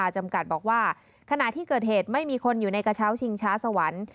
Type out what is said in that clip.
จำกัดบอกว่าขณะที่เกิดเหตุไม่มีคนอยู่ในกระเช้าชิงช้าสวรรค์